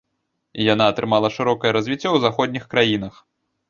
Яна атрымала шырокае развіццё ў заходніх краінах.